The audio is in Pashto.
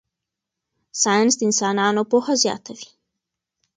ساینس د انسانانو پوهه زیاتوي.